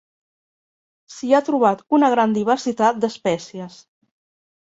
S'hi ha trobat una gran diversitat d'espècies.